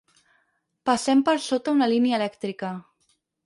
Passem per sota una línia elèctrica.